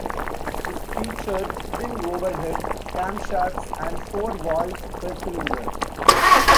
It featured twin overhead camshafts and four valves per cylinder.